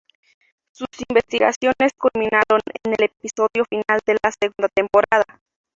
Sus investigaciones culminaron en el episodio final de la segunda temporada.